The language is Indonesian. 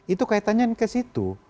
itu kaitannya ke situ